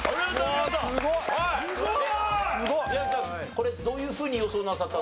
これどういうふうに予想なさったんですか？